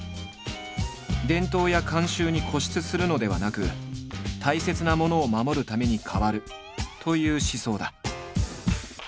伝統や慣習に固執するのではなく大切なものを守るために変わるという思想だ。